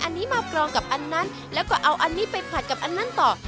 อันนี้มากรองกับอันนั้นแล้วก็เอาอันนี้ไปผลัดกับอันนั้นต่อ